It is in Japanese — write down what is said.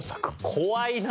怖いな。